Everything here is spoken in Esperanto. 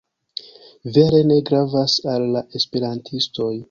Vere ne gravas al la Esperantistoj.